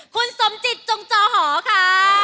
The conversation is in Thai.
คุณสมจิตจงจอหอค่ะ